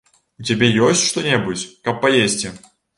У цябе ёсць што-небудзь, каб паесці?